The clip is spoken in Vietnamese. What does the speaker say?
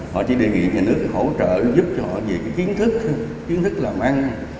họ chỉ đề nghị nhà nước hỗ trợ giúp cho họ về cái kiến thức kiến thức làm ăn